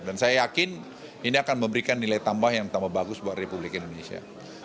dan saya yakin ini akan memberikan nilai tambah yang tambah bagus buat republik indonesia